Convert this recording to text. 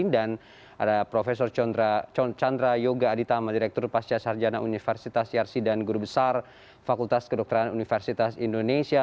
dan ada prof chandra yoga aditama direktur pasca sarjana universitas yarsi dan guru besar fakultas kedokteran universitas indonesia